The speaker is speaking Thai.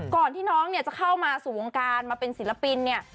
ก่อนที่น้องเนี่ยจะเข้ามาสู่วงการมาเป็นศิลปินเนี่ย